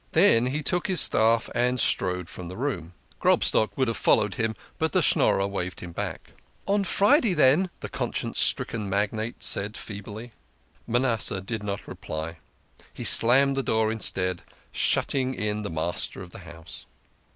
Then he took his staff and strode from the room. Grob stock would have fol lowed him, but the Schnorrer waved him back. " On Friday, then," the conscience stricken magnate said feebly. Manasseh did not reply; he slammed the door instead, shutting in the master of the house.